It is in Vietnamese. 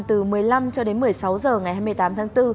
từ một mươi năm cho đến một mươi sáu h ngày hai mươi tám tháng bốn